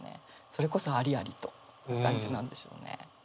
それこそ「ありありと」って感じなんでしょうね。